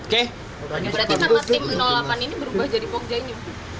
berarti sama tim delapan ini berubah jadi pokja ini